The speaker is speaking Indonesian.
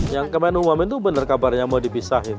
yang kemarin umamin tuh bener kabarnya mau dipisahin